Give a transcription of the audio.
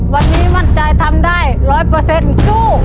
วันนี้มั่นใจทำได้๑๐๐สู้